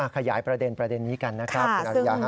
ขยายประเด็นนี้กันนะครับคุณอนุญาฮะ